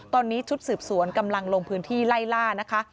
ตอนนี้ชุดสืบสวนกำลังลงพื้นที่ไล่ล่านะคะ